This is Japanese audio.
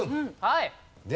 はい！